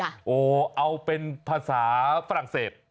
โอ้โหเอาเป็นภาษาฝรั่งเศส